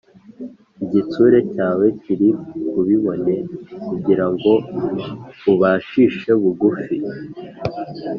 Igitsure cyawe kiri ku bibone Kugira ngo ubacishe bugufi